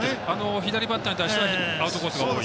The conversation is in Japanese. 左バッターに対してはアウトコースが多い。